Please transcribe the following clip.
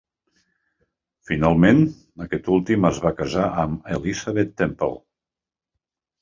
Finalment, aquest últim es va casar amb Elizabeth Temple.